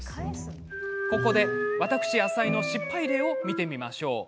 ここで私、浅井の失敗例を見てみましょう。